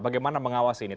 bagaimana mengawasi ini